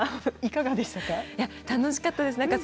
楽しかったです。